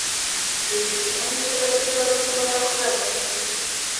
دوی د هند په سیاسي چارو کې مداخله ونه کړي.